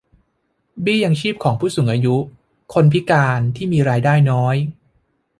เบี้ยยังชีพของประชาชนผู้สูงอายุ คนพิการที่มีรายได้น้อย